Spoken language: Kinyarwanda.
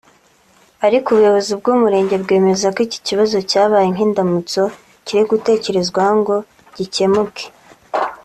ariko ubuyobozi bw’Umurenge bwemeza ko iki kibazo cyabaye nk’indamutso kiri gutekerezwaho ngo gikemuke